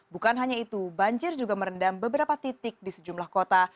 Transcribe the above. bukan hanya itu banjir juga merendam beberapa titik di sejumlah kota